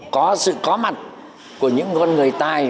có sự có mặt của những con người tai